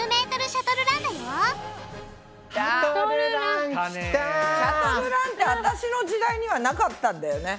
シャトルランって私の時代にはなかったんだよね。